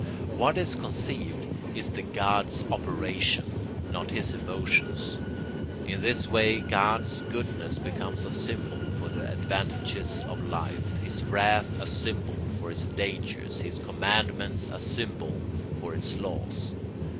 What is conceived is the god's operation, not his emotions. In this way God's goodness becomes a symbol for the advantages of life, his wrath a symbol for its dangers, his commandments a symbol for its laws.